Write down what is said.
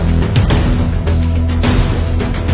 สวัสดีครับ